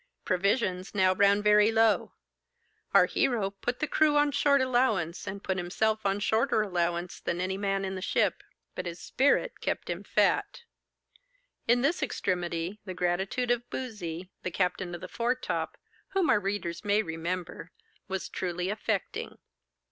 Provisions now ran very low. Our hero put the crew on short allowance, and put himself on shorter allowance than any man in the ship. But his spirit kept him fat. In this extremity, the gratitude of Boozey, the captain of the foretop, whom our readers may remember, was truly affecting.